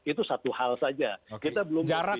itu satu hal saja kita belum berpikir soal ini